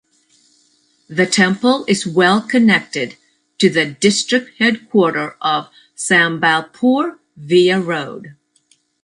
The temple is well connected to the district headquarter of Sambalpur via road.